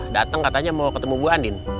datang katanya mau ketemu bu andin